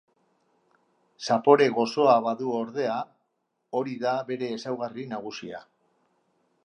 Zapore gozoa badu ordea, hori da bere ezaugarri nagusia.